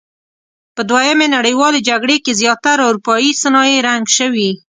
په دویمې نړیوالې جګړې کې زیاتره اورپایي صنایع رنګ شوي.